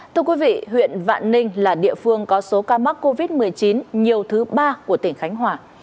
thưa quý vị huyện vạn ninh là địa phương có số ca mắc covid một mươi chín nhiều thứ ba của tỉnh khánh hòa